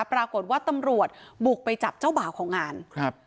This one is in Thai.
ปรากฏว่าตำรวจบุกไปจับเจ้าบ่าวของงานครับ